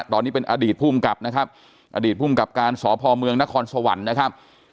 ตอนนี้เป็นอดีตภูมิกับนะครับอดีตภูมิกับการสพเมืองนครสวรรค์นะครับ